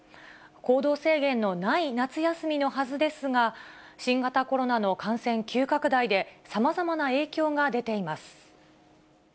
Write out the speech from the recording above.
行動制限のない夏休みのはずですが、新型コロナの感染急拡大で、さまざまな影響が出ています。